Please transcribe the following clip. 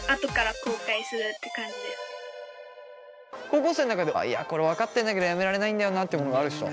高校生の中でいやこれ分かってんだけどやめられないんだよなってものがある人？